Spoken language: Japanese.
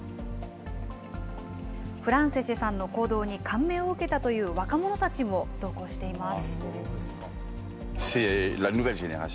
フランセシェさんの行動に感銘を受けたという若者たちも同行しています。